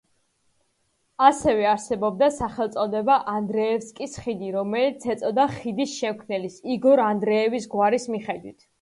ასევე არსებობდა სახელწოდება ანდრეევსკის ხიდი, რომელიც ეწოდა ხიდის შემქმნელის იგორ ანდრეევის გვარის მიხედვით.